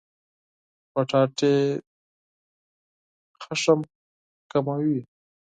کچالو د غوسه کموي